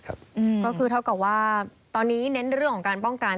ก็คือเท่ากับว่าตอนนี้เน้นเรื่องของการป้องกัน